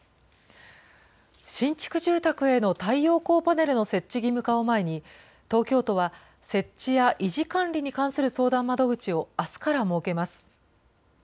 新築住宅への太陽光パネルの設置義務化を前に、東京都は設置や維持管理に関する相談窓口をあすから設けます。